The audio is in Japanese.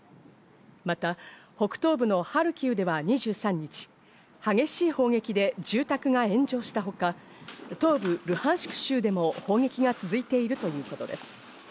また北東部のハルキウでは２３日、激しい砲撃で住宅が炎上したほか、東部ルハンシク州でも攻撃が続いているということです。